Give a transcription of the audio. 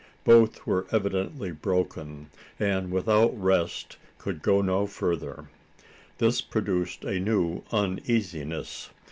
Both were evidently broken, and without rest could go no further. This produced a new uneasiness.